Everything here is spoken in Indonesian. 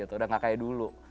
udah gak kayak dulu